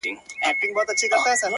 • خو يو ځل بيا وسجدې ته ټيټ سو،